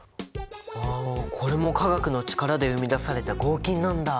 ああこれも化学の力で生み出された合金なんだ。